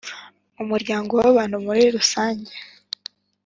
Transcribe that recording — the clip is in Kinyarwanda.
umuryango w’abantu muri rusange.